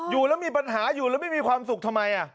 อยู่แล้วมีปัญหาอยู่แล้วไม่มีความสุขทำไม